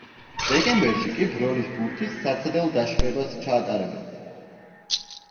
დეკემბერში კი ბროლის ბურთის საცდელ დაშვებას ჩაატარებენ.